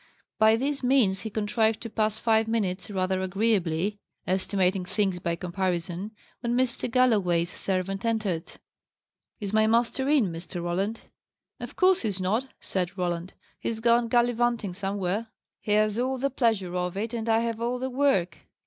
By these means he contrived to pass five minutes rather agreeably (estimating things by comparison), when Mr. Galloway's servant entered. "Is my master in, Mr. Roland?" "Of course he's not," said Roland. "He's gone gallivanting somewhere. He has all the pleasure of it, and I have all the work."